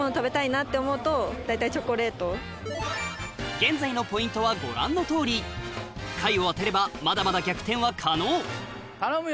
現在のポイントはご覧のとおり下位を当てればまだまだ逆転は可能頼むよ